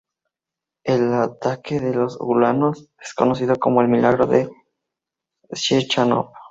El ataque de los ulanos es conocido como "El Milagro de Ciechanów".